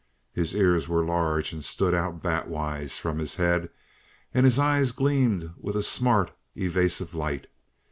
His ears were large and stood out bat wise from his head; and his eyes gleamed with a smart, evasive light.